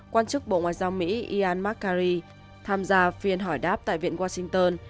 quan chức bộ ngoại giao mỹ ian mccari tham gia phiên hỏi đáp tại viện washington